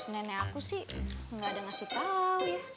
nenek aku sih gak ada ngasih tau ya